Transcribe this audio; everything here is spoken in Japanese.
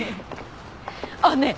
あっねえ